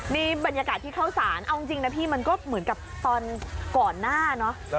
นี่บรรยากาศที่เข้าสารเอาจริงนะพี่มันก็เหมือนกับตอนก่อนหน้าเนอะ